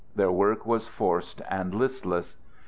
Their work was forced and listless.